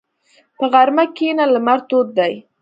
په غرمه کښېنه، لمر تود دی.